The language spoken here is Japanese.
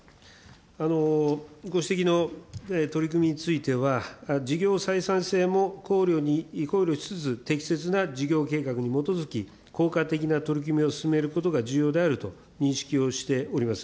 ご指摘の取り組みについては、事業採算性も考慮にしつつ、適切な事業計画に基づき、効果的な取り組みを進めることが重要であると認識をしております。